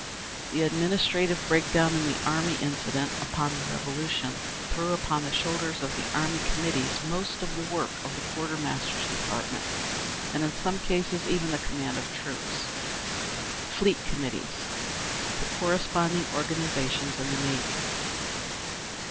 The administrative break down in the army incident upon the Revolution threw upon the shoulders of the Army Committees most of the work of the Quartermaster's Department, and in some cases, even the command of troops. 8. Fleet Committees. The corresponding organisations in the Navy.